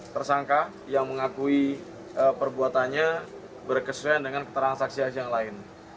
tersangka yang mengakui perbuatannya berkesesuaian dengan keterangan saksi ahli yang lain